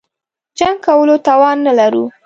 جنګ کولو توان نه لرو.